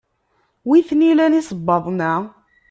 Wi t-nilan isebbaḍen-a?